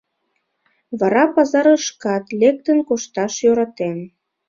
Вара пазарышкат лектын кошташ йӧратен.